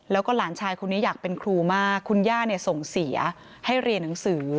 แล้วก็หลานชายคนนี้อยากเป็นครูมากคุณย่าเนี่ยส่งเสียให้เรียนหนังสือ